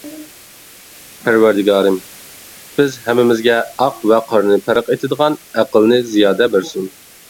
پەرۋەردىگارىم، بىز ھەممىمىزگە ئاق ۋە قارىنى پەرق ئېتىدىغان ئەقىلنى زىيادە بەرسۇن.